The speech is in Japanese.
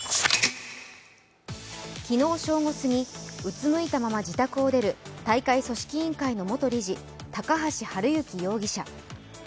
昨日正午過ぎ、うつむいたまま自宅を出る大会組織委員会の元理事高橋治之容疑者。